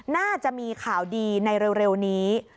น่าจะมีข่าวดีในเร็วนี้